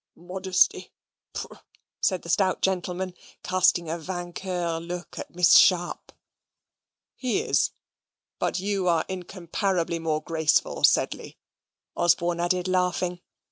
"Modesty! pooh," said the stout gentleman, casting a vainqueur look at Miss Sharp. "He is but you are incomparably more graceful, Sedley," Osborne added, laughing.